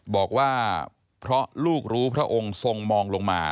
บอกว่าเพราะลูกรู้พระองค์ทรงมองลงมา